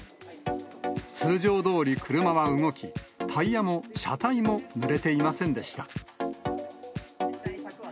通常どおり車は動き、タイヤも車体もぬれていませんでした。